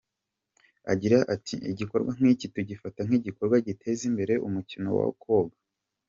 Agira ati “Igikorwa nk’iki tugifata nk’igikorwa giteza imbere umukino wo koga.